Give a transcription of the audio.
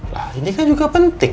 nah ini kan juga penting